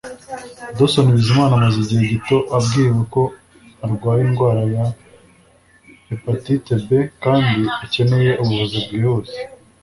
Dawson Bizima amaze igihe gito abwiwe ko arwaye indwara ya Hepatite B kandi akeneye ubuvuzi bwihuse